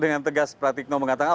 dengan tegas pratikno mengatakan